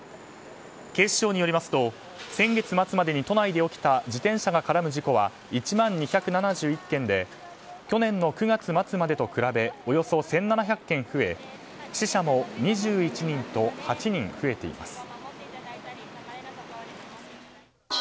警視庁によりますと先月末までに都内で起きた自転車が絡む事故は１万２７１件で去年の９月末までと比べおよそ１７００件増え死者も２１人と８人増えています。